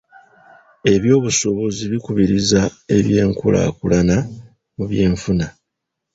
Eby'obusuubuzi bikubiriza enkulaakulana mu by'enfuna.